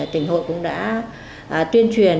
tỉnh hội cũng đã tuyên truyền